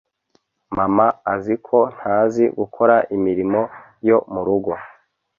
Mama aziko ntazi gukora imirimo yo mu rugo